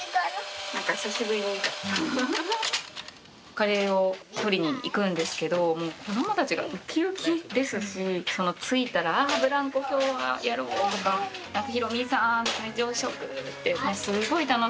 カレーを取りに行くんですけど子どもたちがウキウキですし着いたらブランコ今日はやろう！とか。